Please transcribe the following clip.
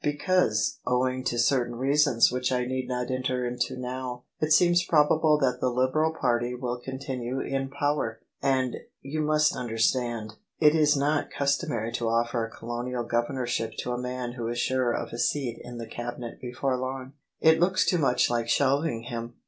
*' Because, owing to certain reasons which I need not enter into now, it seems probable that the Liberal party will continue in power; and, you must understand, it is not customary to offer a Colonial Governorship to a man who is sure of a seat in the Cabinet before long: it looks too much like shelving him."